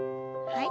はい。